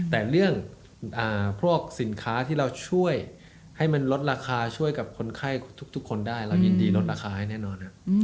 แต่เรื่องพวกสินค้าที่เราช่วยให้มันลดราคาช่วยกับคนไข้ทุกคนได้เรายินดีลดราคาให้แน่นอน